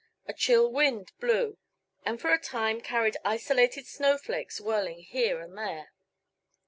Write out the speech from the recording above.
A chill wind blew and for a time carried isolated snowflakes whirling here and there.